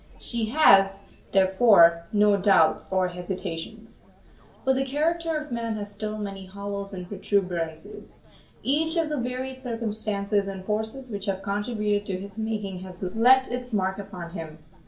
She has, therefore, no doubts or hesitations. But the character of man has still many hollows and protuberances; each of the varied circumstances and forces which have contributed to his making has left its mark upon him.